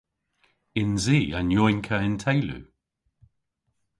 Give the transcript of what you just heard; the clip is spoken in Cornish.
Yns i an yowynkka y'n teylu?